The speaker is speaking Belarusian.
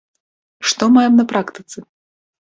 Што маем на практыцы?